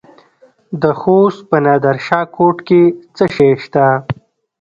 د خوست په نادر شاه کوټ کې څه شی شته؟